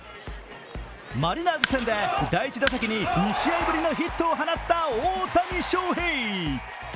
マリナーズ戦で第１打席に２試合ぶりのヒットを放った大谷翔平。